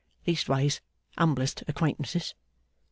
Leastways humblest acquaintances.